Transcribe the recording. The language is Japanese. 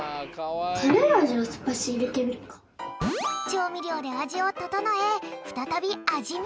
ちょうみりょうであじをととのえふたたびあじみ。